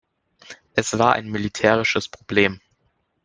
Es war ein militärisches Problem.